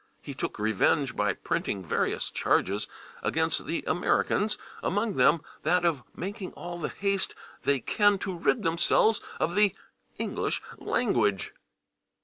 He took revenge by printing various charges against the Americans, among them that of "making all the haste they can to rid themselves of the [English] language."